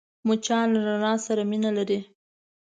مچان له رڼا سره مینه لري